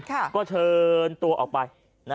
ก็เชิญตัวออกไป